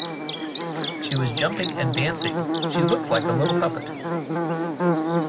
She was jumping and dancing; she looked like a little puppet.